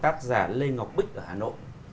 tác giả lê ngọc bích ở hà nội